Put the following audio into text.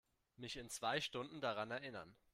Mich in zwei Stunden daran erinnern.